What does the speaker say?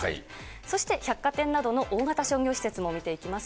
そして、百貨店などの大型商業施設も見ていきます。